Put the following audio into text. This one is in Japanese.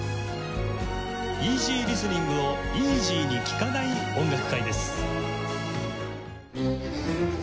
「イージーリスニングをイージーに聴かない音楽会」です。